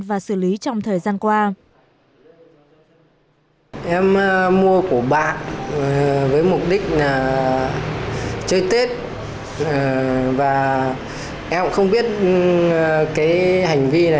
và xử lý trong thời gian qua